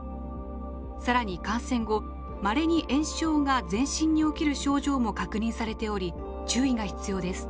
更に感染後まれに炎症が全身に起きる症状も確認されており注意が必要です。